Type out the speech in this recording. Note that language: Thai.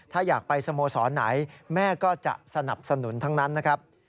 ถ้าอยากไปสโมสรไหนแม่ก็จะสนับสนุนทั้งนั้นนะครับ